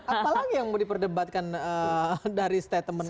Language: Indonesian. apa lagi yang mau diperdebatkan dari statement itu